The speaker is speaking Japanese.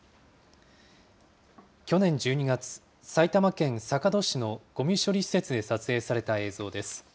去年１２月、埼玉県坂戸市のごみ処理施設で撮影された映像です。